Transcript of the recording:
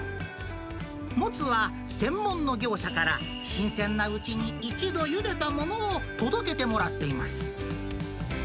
もつは専門の業者から新鮮なうちに一度ゆでたものを届けてもらっています。